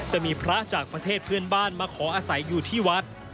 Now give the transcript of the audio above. แต่มีพระจากประเทศเพื่อนบ้านมาขออาศัยอยู่ที่วัด